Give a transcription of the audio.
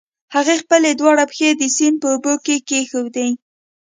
هغې خپلې دواړه پښې د سيند په اوبو کې کېښودې.